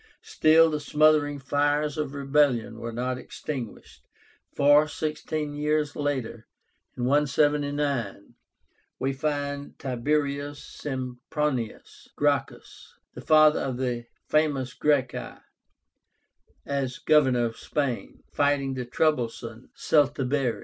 Still the smouldering fires of rebellion were not extinguished, for, sixteen years later (179), we find TIBERIUS SEMPRONIUS GRACCHUS, the father of the famous Gracchi, as Governor of Spain, fighting the troublesome Celtibéri.